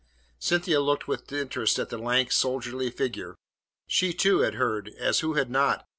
Cynthia looked with interest at the lank, soldierly figure. She, too, had heard as who had not?